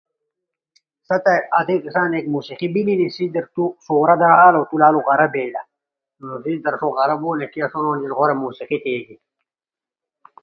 سا تی آدیئی گݜا نے ایک موسیقی بجلی سا دے ورا دا آلو لا ݜوتو غرا بیلا۔ نو ݜئی در آسو تی غرا بیلا غورا موسیقی تھیگینی۔